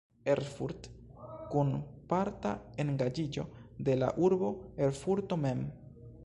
Erfurt" kun parta engaĝiĝo de la urbo Erfurto mem.